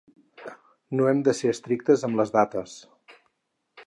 No hem de ser estrictes amb les dates.